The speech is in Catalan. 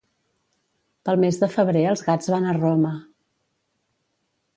Pel mes de febrer els gats van a Roma.